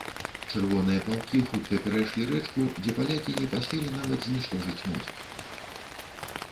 Чырвоныя палкі хутка перайшлі рэчку, дзе палякі не паспелі нават зніштожыць мост.